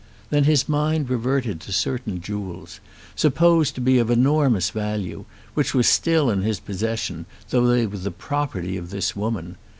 Then his mind reverted to certain jewels, supposed to be of enormous value, which were still in his possession though they were the property of this woman.